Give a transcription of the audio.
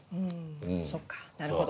うんそっかなるほど。